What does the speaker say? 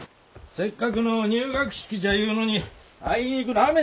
せっかくの入学式じゃいうのにあいにくの雨じゃのうるい。